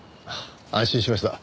安心しました。